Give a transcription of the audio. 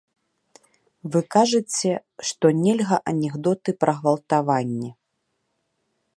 Вы кажаце, што нельга анекдоты пра гвалтаванні.